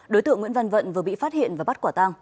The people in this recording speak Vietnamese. đối tượng nguyễn văn vận vừa bị phát hiện và bắt quả tang